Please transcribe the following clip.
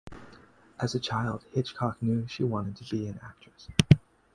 As a child, Hitchcock knew she wanted to be an actress.